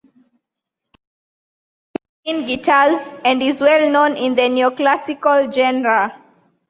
He is sponsored by Dean Guitars and is well known in the neo-classical genre.